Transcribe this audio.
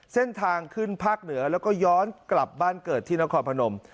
เส้นทางขึ้นภาคเหนือแล้วก็ย้อนกลับบ้านเกิดที่นครพนม